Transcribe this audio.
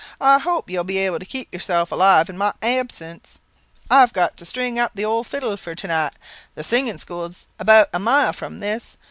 I hope you'll be able to keep yourself alive in my absence. I have got to string up the old fiddle for to night. The singing school is about a mile from this.